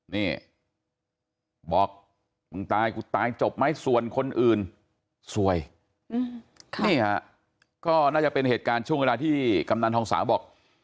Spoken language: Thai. นี่บอกมึงตายกูตายจบไหมส่วนคนอื่นสวยนี่ฮะก็น่าจะเป็นเหตุการณ์ช่วงเวลาที่กำนันทองสาวบอก